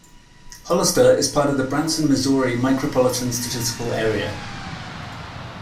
Hollister is part of the Branson, Missouri Micropolitan Statistical Area.